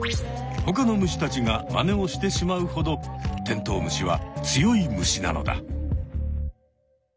ほかの虫たちがまねをしてしまうほどテントウムシは強い虫なのだ。